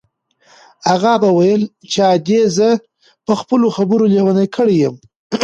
اغا به ویل چې ادې زه په خپلو خبرو لېونۍ کړې یم.